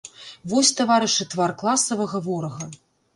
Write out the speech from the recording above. Вось, таварышы, твар класавага ворага!